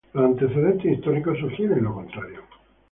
Los antecedentes históricos sugieren lo contrario.